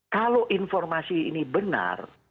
kalau informasi ini benar